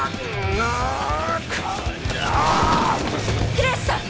平安さん！